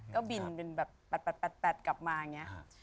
ก็บินเป็นแบบแปดกลับมาเนี่ย